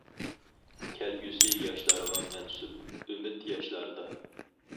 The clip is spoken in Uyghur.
كەلگۈسى ياشلارغا مەنسۇپ، ئۈمىد ياشلاردا.